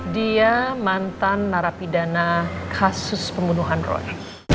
dia mantan narapidana kasus pembunuhan roy